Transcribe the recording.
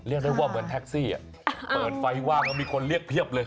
นึกจากการเลือกเปิดแคกซี่เปิดไฟว่าแล้วมีคนเรียกเพียบเลย